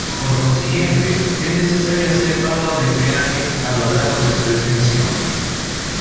Por consiguiente, es necesario hacer pago de peajes a lo largo de su extensión.